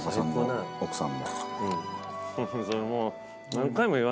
それもう。